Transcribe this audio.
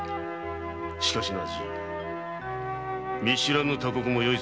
しかしな見知らぬ他国もよいぞ。